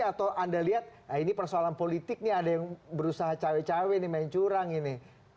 atau anda lihat ini persoalan politik nih ada yang berusaha cawe cawe ini main curang ini